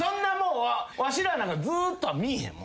わしらなんかずっとは見いへん。